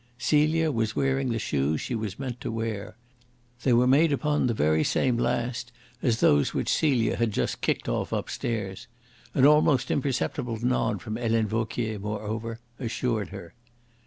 Celia was wearing the shoes she was meant to wear. They were made upon the very same last as those which Celia had just kicked off upstairs. An almost imperceptible nod from Helene Vauquier, moreover, assured her.